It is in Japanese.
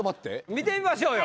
見てみましょうよ。